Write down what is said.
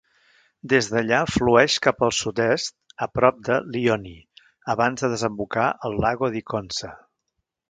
Des d'allà flueix cap al sud-est a prop de Lioni abans de desembocar al Lago di Conza.